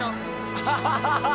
アハハハハハ！